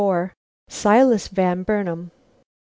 SILAS VAN BURNAM.